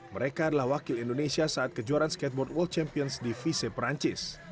mereka adalah wakil indonesia saat kejuaraan skateboard world champions di vise perancis